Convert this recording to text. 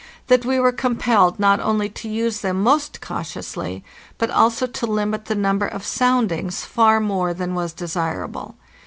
that we were compelled not only to use them most cautiously, but also to limit the number of soundings far more than was desirable.